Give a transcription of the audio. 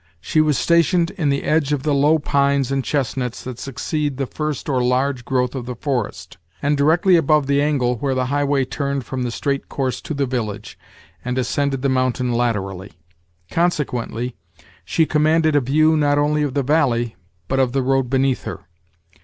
She was stationed in the edge of the low pines and chestnuts that succeed the first or large growth of the forest, and directly above the angle where the highway turned from the straight course to the village, and ascended the mountain laterally. Consequently, she commanded a view, not only of the valley, but of the road beneath her.